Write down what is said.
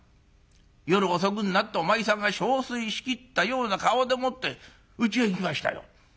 夜遅くになってお前さんが憔悴しきったような顔でもってうちに来ましたよ。